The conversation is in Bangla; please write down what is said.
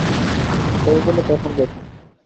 হয়ে গেলে তখন দেখো।